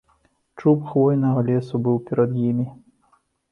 Чуб хвойнага лесу быў перад імі.